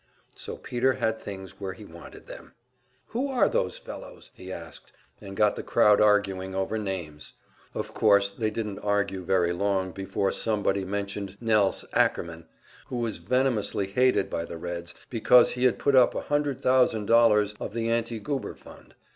So Peter had things where he wanted them. "Who are those fellows?" he asked, and got the crowd arguing over names. Of course they didn't argue very long before somebody mentioned "Nelse" Ackerman, who was venomously hated by the Reds because he had put up a hundred thousand dollars of the Anti Goober fund.